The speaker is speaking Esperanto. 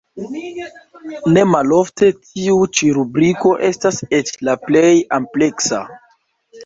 Ne malofte tiu ĉi rubriko estas eĉ la plej ampleksa.